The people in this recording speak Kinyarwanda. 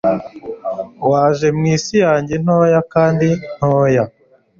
Waje mwisi yanjye ntoya kandi ntoya